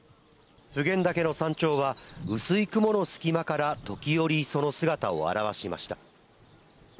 普賢岳の山頂は、薄い雲の隙間から時折、その姿を現しました。